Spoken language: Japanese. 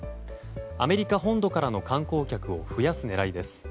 アメリカ本土からの観光客を増やす狙いです。